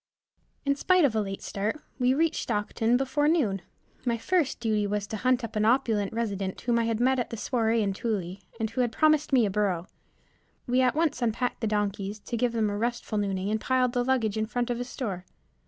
In spite of a late start, we reached Stockton before noon. My first duty was to hunt up an opulent resident, whom I had met at the soiree in Tooele, and who had promised me a burro. We at once unpacked the donkeys, to give them a restful nooning, and piled the luggage in front of a store.